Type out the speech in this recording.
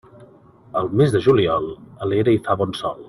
Al mes de juliol, a l'era hi fa bon sol.